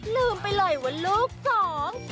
ลืมไปเลยว่าลูกสอง